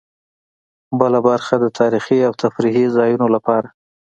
بله برخه د تاریخي او تفریحي ځایونو لپاره.